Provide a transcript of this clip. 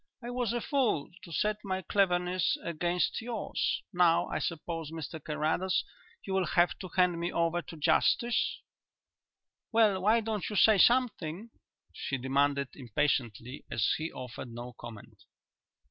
I was a fool to set my cleverness against yours. Now, I suppose, Mr Carrados, you will have to hand me over to justice? "Well; why don't you say something?" she demanded impatiently, as he offered no comment.